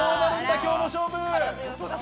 今日の勝負。